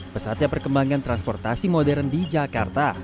pesatnya perkembangan transportasi modern di jakarta